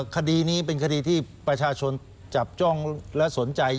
คดีนี้เป็นคดีที่ประชาชนจับจ้องและสนใจ